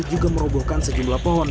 juga merobohkan sejumlah pohon